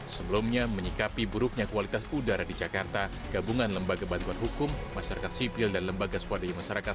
sebelumnya menyikapi buruknya kualitas udara di jakarta gabungan lembaga bantuan hukum masyarakat sipil dan lembaga swadaya masyarakat